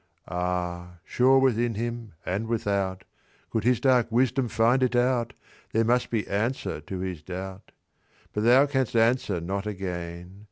"Ah! sure within him and without, Could his dark wisdom find it out, There must be answer to his doubt. "But thou canst answer not again.